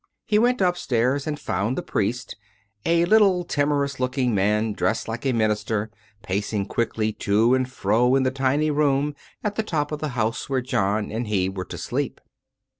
He went upstairs and found the priest, a little timorous looking man, dressed like a minister, pacing qilickly to and fro in the tiny room at the top of the house where John and he were to sleep.